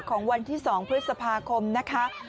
ของวันที่๒พฤษภาคมนะคะ